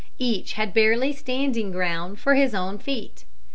Each had barely standing ground for his own feet.